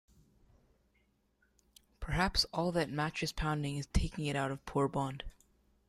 Perhaps all that mattress pounding is taking it out of poor Bond.